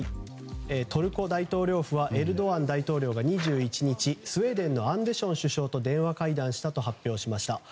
トルコ大統領府はエルドアン大統領が２１日、スウェーデンのアンデション首相と電話会談したと発表しました。